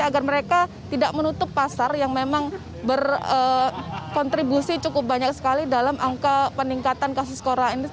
agar mereka tidak menutup pasar yang memang berkontribusi cukup banyak sekali dalam angka peningkatan kasus corona ini